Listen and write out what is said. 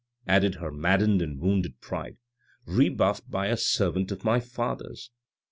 added her maddened and wounded pride; "rebuffed by a servant of my father's!